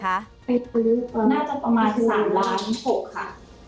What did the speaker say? ไปปุ๊บน่าจะประมาณ๓ล้าน๖ค่ะ